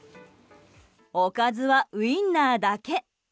おかずはウィンナーだけ。